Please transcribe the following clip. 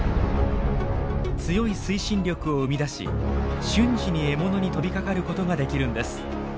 強い推進力を生み出し瞬時に獲物に飛びかかることができるんです。